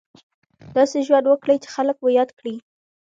داسې ژوند وکړئ چې خلک مو یاد کړي.